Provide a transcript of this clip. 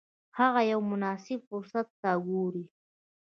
هغه یو مناسب فرصت ته ګوري.